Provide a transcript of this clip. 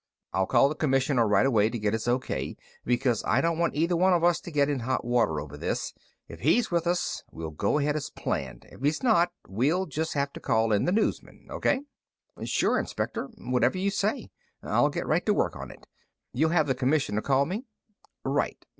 "I'll call the Commissioner right away to get his O.K., because I don't want either one of us to get in hot water over this. If he's with us, we'll go ahead as planned; if he's not, we'll just have to call in the newsmen. O.K.?" "Sure, Inspector. Whatever you say. I'll get right to work on it. You'll have the Commissioner call me?" "Right.